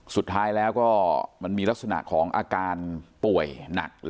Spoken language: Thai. สุดท้ายแล้วก็มันมีลักษณะของอาการป่วยหนัก